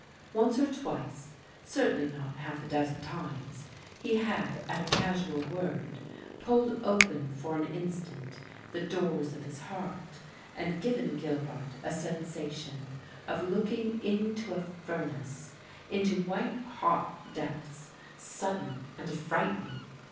Once or twice certainly not half a dozen times he had at a casual word pulled open for an instant the doors of his heart and given Gilbart a sensation of looking into a furnace, into white hot depths, sudden and frightening.